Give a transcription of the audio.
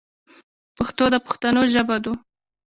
پښتو د پښتنو ژبه دو.